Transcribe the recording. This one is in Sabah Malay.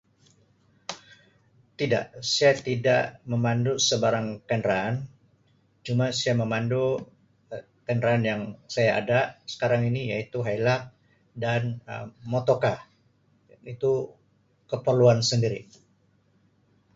Tidak, saya tidak memandu sebarang kenderaan cuma saya memandu ke-kenderaan yang saya ada sekarang ini iaitu hilux dan motocar itu keperluan sendiri.